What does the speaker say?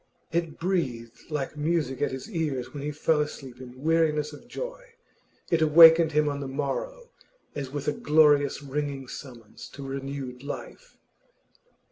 It breathed like music at his ears when he fell asleep in weariness of joy; it awakened him on the morrow as with a glorious ringing summons to renewed life.